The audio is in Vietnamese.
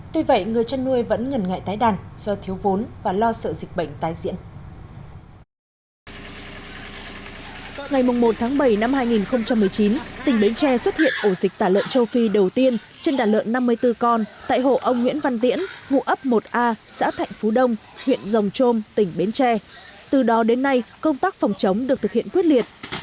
tuy vậy người chăn nuôi vẫn ngần ngại tái đàn do thiếu vốn và lo sợ dịch bệnh tái diễn